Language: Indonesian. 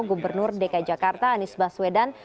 gubernur dki jakarta anies baswedan